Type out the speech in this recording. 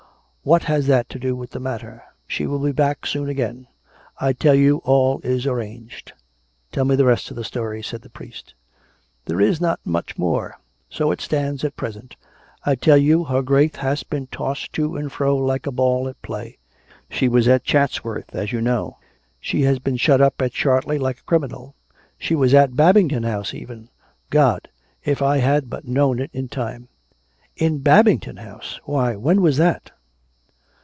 What has that to do with the matter? She will be back soon again. I tell you all is arranged." " Tell me the rest of the story," said the priest. " There is not much more. So it stands at present. I tell you her Grace hath been tossed to and fro like a ball at play. She was at Chatsworth, as you know; she has been shut up in Chartley like a criminal; she was at Bab ington House even. God! if I had but known it in time! "" In Babington House! Why, when was that?